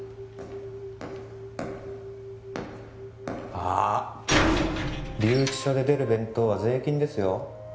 あーっ留置所で出る弁当は税金ですよ